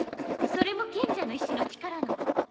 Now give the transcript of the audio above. それも賢者の石の力なの？